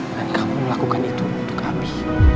dan kamu lakukan itu untuk abi